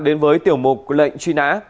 đến với tiểu mục lệnh truy nã